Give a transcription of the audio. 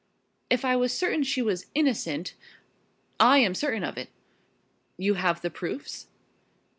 "If I was certain she was innocent " "I am certain of it." "You have the proofs?"